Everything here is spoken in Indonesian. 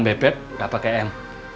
beb beb gak pakai m